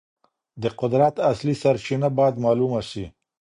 د قدرت اصلي سرچینه باید معلومه سي.